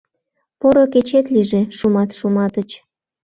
Поро кечет лийже, Шумат Шуматыч!